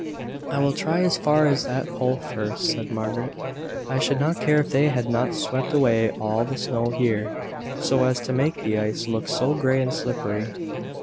"I will try as far as that pole first," said Margaret. "I should not care if they had not swept away all the snow here, so as to make the ice look so grey and slippery."